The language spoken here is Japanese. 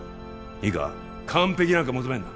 いいか完璧なんか求めんな